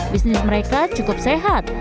bisnis mereka cukup sehat